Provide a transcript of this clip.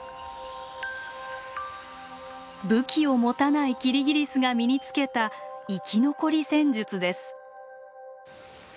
武器を持たないキリギリスが身につけた生き残り戦術です。